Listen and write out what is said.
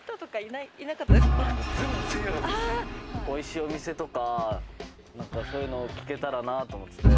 おいしいお店とかそういうのを聞けたらなと思って。